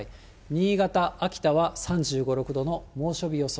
新潟、秋田は３５、６度の猛暑日予想。